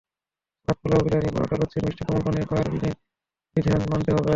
ভাত, পোলাও, বিরিয়ানি, পরোটা, লুচি, মিষ্টি, কোমল পানীয় খাওয়ায় বিধিনিষেধ মানতে হবে।